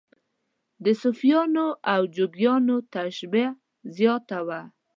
د صوفیانو او جوګیانو تشبیه زیاته وه.